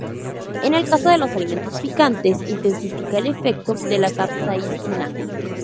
En el caso de los alimentos picantes intensifica el efecto de la capsaicina.